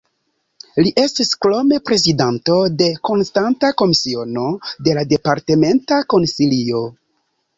Li estis krome prezidanto de konstanta komisiono de la Departementa Konsilio.